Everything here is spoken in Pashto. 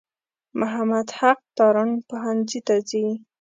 محمد حق تارڼ پوهنځي ته ځي.